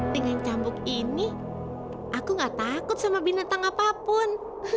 dengan cambuk ini aku gak takut sama binatang apapun